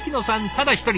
ただ一人。